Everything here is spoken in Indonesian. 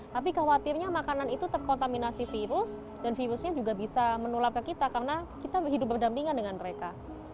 tapi khawatirnya makanan itu terkontaminasi virus dan virusnya juga bisa menulap ke kita karena kita hidup berdampingan dengan mereka